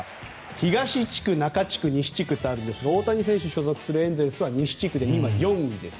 東地区、中地区、西地区あるんですが大谷選手が所属するエンゼルスは西地区で今、４位です。